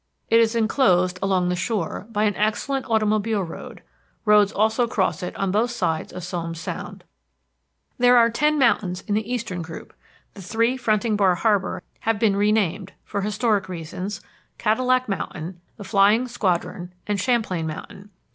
It is enclosed, along the shore, by an excellent automobile road; roads also cross it on both sides of Somes Sound. There are ten mountains in the eastern group; the three fronting Bar Harbor have been renamed, for historic reasons, Cadillac Mountain, the Flying Squadron, and Champlain Mountain.